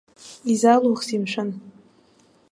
Изалухзеи, мшәан.